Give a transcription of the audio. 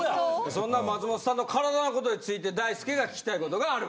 そんな松本さんの体の事について大輔が聞きたいことがある。